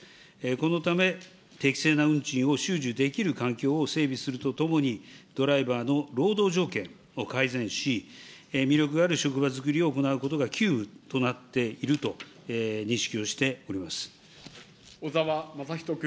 このため、適正な運賃を収受できる環境を整備するとともに、ドライバーの労働条件を改善し、魅力ある職場づくりを行うことが急務となっていると認識をしてお小沢雅仁君。